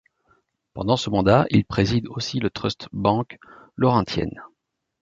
Pendant ce mandat, il préside aussi le Trust Banque Laurentienne.